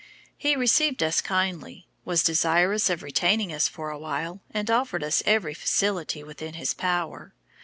He received us kindly, was desirous of retaining us for awhile, and offered us every facility within his power.